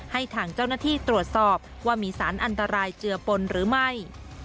ให้ทางเจ้าหน้าที่ตรวจสอบว่ามีสารอันตรายเจือปนหรือไม่